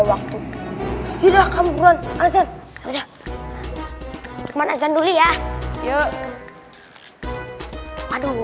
waktu sudah kamu beran aja udah mana jadul ya yuk aduh